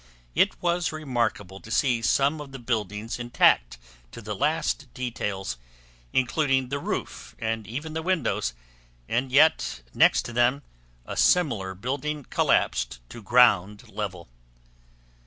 It was remarkable to see some of the buildings intact to the last details, including the roof and even the windows, and yet next to them a similar building collapsed to ground level.